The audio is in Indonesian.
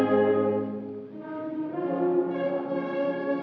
lagu kebangsaan indonesia raya